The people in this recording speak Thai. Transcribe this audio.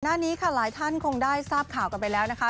หน้านี้ค่ะหลายท่านคงได้ทราบข่าวกันไปแล้วนะคะ